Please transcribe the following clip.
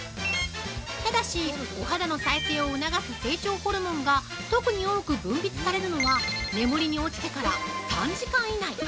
ただし、お肌の再生を促す成長ホルモンが特に多く分泌されるのは、眠りに落ちてから３時間以内。